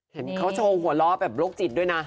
เห็นเขาโชว์หัวล้อแบบโรคจิตด้วยนะ